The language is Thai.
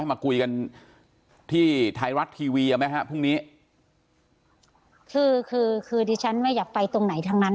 มาคุยกันที่ไทยรัฐทีวีอ่ะไหมฮะพรุ่งนี้คือคือดิฉันไม่อยากไปตรงไหนทั้งนั้น